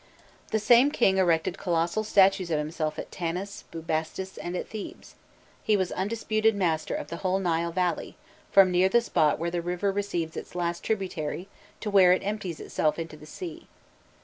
The same king erected colossal statues of himself at Tanis, Bubastis, and at Thebes: he was undisputed master of the whole Nile Valley, from near the spot where the river receives its last tributary to where it empties itself into the sea.